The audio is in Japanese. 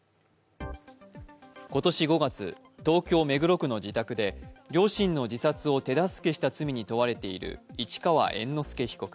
今年５月、東京・目黒区の自宅で両親の自殺を手助けした罪に問われている市川猿之助被告。